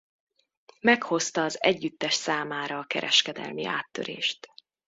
Meghozta az együttes számára a kereskedelmi áttörést.